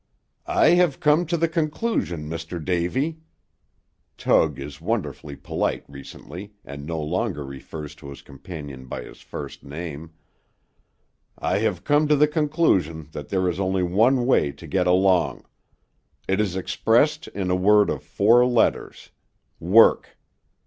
"I have come to the conclusion, Mr. Davy," Tug is wonderfully polite recently, and no longer refers to his companion by his first name, "I have come to the conclusion that there is only one way to get along; it is expressed in a word of four letters work.